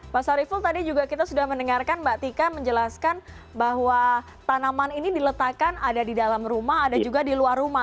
pak sariful tadi juga kita sudah mendengarkan mbak tika menjelaskan bahwa tanaman ini diletakkan ada di dalam rumah ada juga di luar rumah